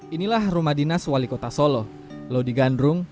inilah rumah dinas wali kota solo lodi gandrung